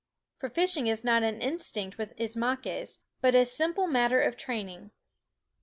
For fishing is not an instinct with Ismaques, but a simple matter of training.